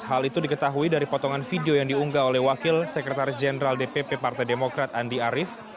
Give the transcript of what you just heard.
hal itu diketahui dari potongan video yang diunggah oleh wakil sekretaris jenderal dpp partai demokrat andi arief